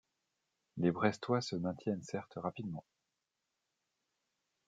Les Brestois se maintiennent certes rapidement.